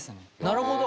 なるほど。